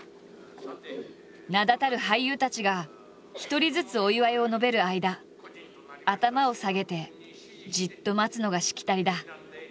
名だたる俳優たちが一人ずつお祝いを述べる間頭を下げてじっと待つのがしきたりだ。